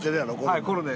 はいコロネ